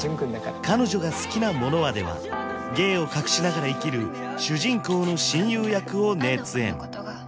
「彼女が好きなものは」ではゲイを隠しながら生きる主人公の親友役を熱演